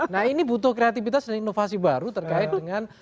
nah ini butuh kreativitas dan inovasi baru terkait dengan